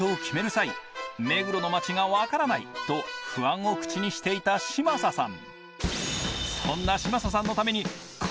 際「目黒の街が分からない」と不安を口にしていた嶋佐さん